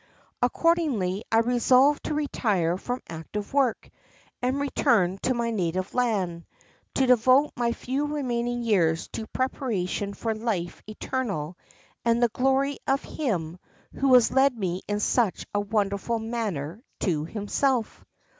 Accordingly I resolved to retire from active work, and return to my native land, to devote my few remaining years to preparation for life eternal and the glory of Him who has led me in such a wonderful manner to Himself.